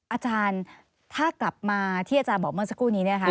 อาจารย์ถ้ากลับมาที่อาจารย์บอกเมื่อสักครู่นี้นะคะ